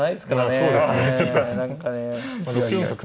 そうですね。